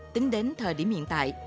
tính đến thời điểm hiện tại